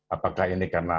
apakah ini karena